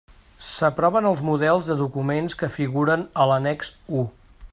S'aproven els models de documents que figuren a l'Annex u.